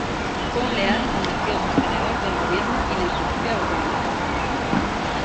Fue un leal y convencido sostenedor del Gobierno y del principio de autoridad.